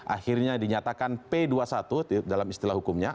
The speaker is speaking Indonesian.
akhirnya dinyatakan p dua puluh satu dalam istilah hukumnya